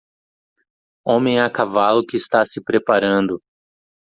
Homem a cavalo que está se preparando